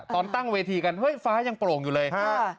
ตอนตั้งเวทีกันเฮ้ยฟ้ายังโปร่งอยู่เลยฮะ